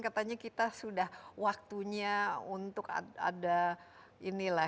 katanya kita sudah waktunya untuk ada ini lah